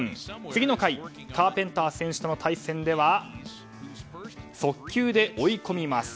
次の回カーペンター選手との対戦では速球で追い込みます。